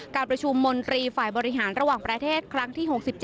การประชุมมนตรีฝ่ายบริหารระหว่างประเทศครั้งที่๖๗